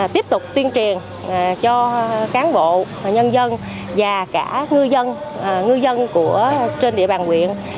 tiếp tục tuyên truyền cho cán bộ nhân dân và cả ngư dân trên địa bàn huyện